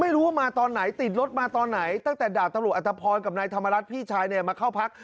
ไม่รู้ว่ามาตอนไหนติดรถมาตอนไหนตั้งแต่ดาบตำรวจอัตภพรกับนายธรรมรัฐพี่ชายเนี่ยมาเข้าพัก